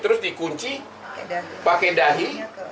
terus di kunci pakai dahi